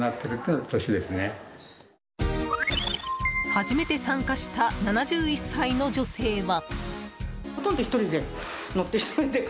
初めて参加した７１歳の女性は。